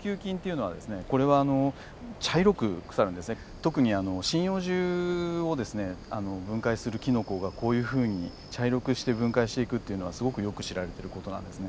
特に針葉樹を分解するキノコがこういうふうに茶色くして分解していくっていうのはすごくよく知られてる事なんですね。